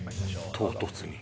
唐突に。